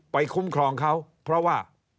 คุ้มครองเขาเพราะว่า